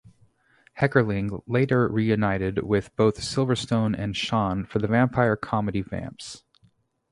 Heckerling later reunited with both Silverstone and Shawn for the vampire comedy "Vamps".